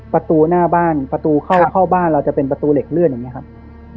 ประตูหน้าบ้านประตูเข้าบ้านเราจะเป็นประตูเหล็กเลื่อนอย่างนี้ครับ